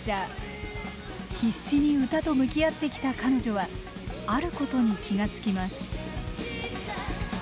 必死に歌と向き合ってきた彼女はあることに気が付きます。